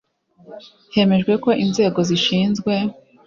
hemejwe ko inzego zishinzwe